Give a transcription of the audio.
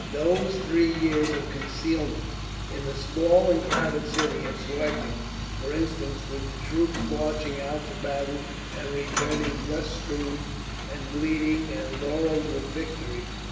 Those three years of concealment in the small and crowded city of Suakin, for instance, with the troops marching out to battle, and returning dust strewn and bleeding and laurelled with victory.